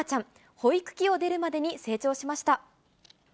保育器を出るまでに成長しました。